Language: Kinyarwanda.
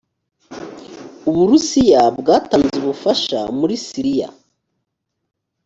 u burusiya bwatanze ubufasha muri siriya